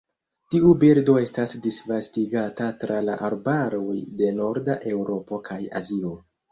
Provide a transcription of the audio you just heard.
Tiu birdo estas disvastigata tra la arbaroj de norda Eŭropo kaj Azio.